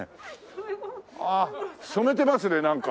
ああ染めてますねなんか。